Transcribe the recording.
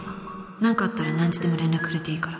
なんかあったら何時でも連絡くれていいから。